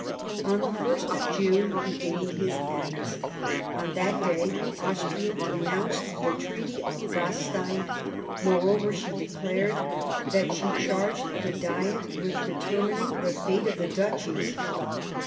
On the ist of June he gained his ends On that day Austria denounced the Treaty of Gastein ; moreover, she declared that she charged the Diet with determining the fate of the Duchies.